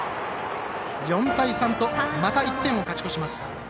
４対３とまた１点を勝ち越します。